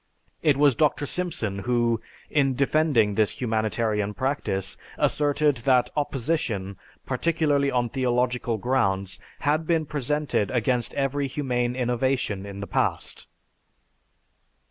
It was Dr. Simpson who, in defending this humanitarian practice, asserted that opposition, particularly on theological grounds, had been presented against every humane innovation in the past.